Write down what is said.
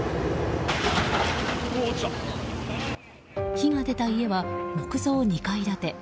火が出た家は木造２階建て。